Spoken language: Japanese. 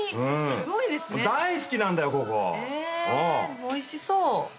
えおいしそう。